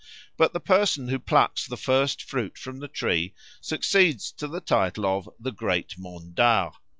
But the person who plucks the first fruit from the tree succeeds to the title of "the great _mondard.